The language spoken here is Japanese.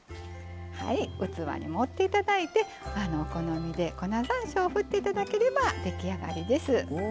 器に盛って頂いてお好みで粉ざんしょうをふって頂ければ出来上がりです。